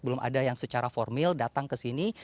belum ada yang secara formil datang ke sini